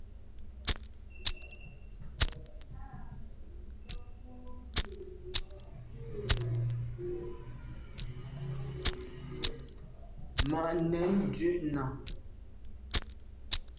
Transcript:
Màa nèn ndù’ nà.